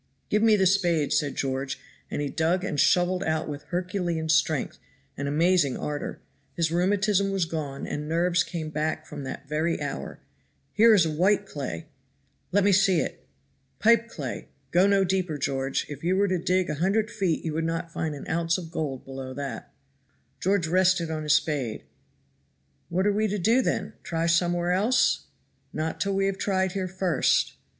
"Give me the spade," said George, and he dug and shoveled out with herculean strength and amazing ardor; his rheumatism was gone and nerves came back from that very hour. "Here is a white clay." "Let me see it. Pipe clay! go no deeper, George; if you were to dig a hundred feet you would not find an ounce of gold below that." George rested on his spade. "What are we to do, then? try somewhere else?" "Not till we have tried here first."